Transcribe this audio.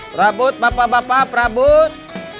prabut bapak bapak prabut